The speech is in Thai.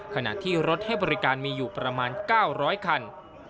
ขณะที่รถให้บริการมีอยู่ประมาณ๙๐๐คัน